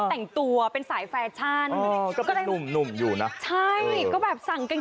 ผู้ชายนี่เป็นสามีใช่มั้ยผู้หญิงจ้างออกนี้เป็นภรรยาใช่มั้ย